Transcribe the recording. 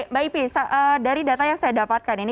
mbak ipi dari data yang saya dapatkan ini